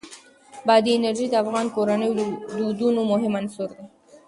بادي انرژي د افغان کورنیو د دودونو مهم عنصر دی.